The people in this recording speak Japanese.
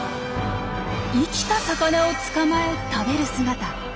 生きた魚を捕まえ食べる姿。